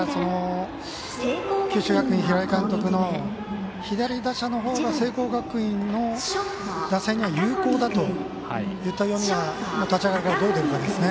九州学院の平井監督の左打者のほうが聖光学院の打線には有効打といった読みが立ち上がりがどう出るかですね。